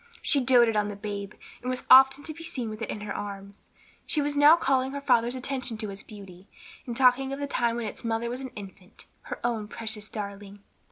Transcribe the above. She doated on the babe, and was often to be seen with it in her arms. She was now calling her father's attention to its beauty, and talking of the time when its mother was an infant, her own precious darling.